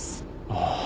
ああ。